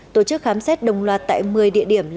tổ chức khám xét đồng loạt tại một mươi địa điểm